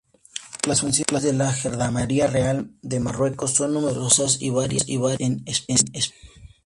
Las funciones de la Gendarmería Real de Marruecos son numerosas y variadas en especie.